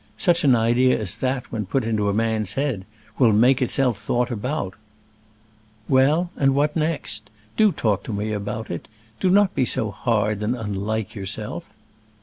Such an idea as that, when put into a man's head, will make itself thought about." "Well; and what next? Do talk to me about it. Do not be so hard and unlike yourself."